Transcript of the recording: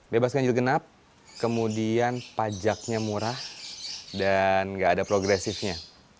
bebas ganjil genap kemudian pajaknya murah dan nggak ada progresifnya